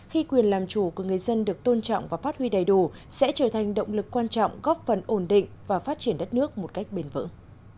khi quyền làm chủ của người dân được tôn trọng và phát huy đầy đủ sẽ trở thành động lực quan trọng góp phần ổn định và phát triển đất nước một cách bền vững